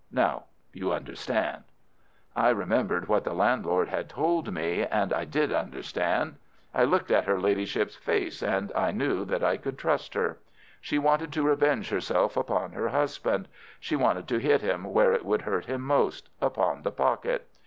Now you understand." I remembered what the landlord had told me, and I did understand. I looked at her Ladyship's face, and I knew that I could trust her. She wanted to revenge herself upon her husband. She wanted to hit him where it would hurt him most—upon the pocket.